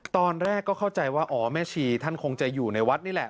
ตอนแรกก็เข้าใจว่าอ๋อแม่ชีท่านคงจะอยู่ในวัดนี่แหละ